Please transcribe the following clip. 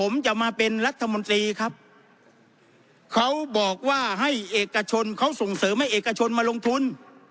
ผมจะมาเป็นรัฐมนตรีครับเขาบอกว่าให้เอกชนเขาส่งเสริมให้เอกชนมาลงทุน